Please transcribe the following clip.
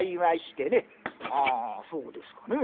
「はあそうですかね。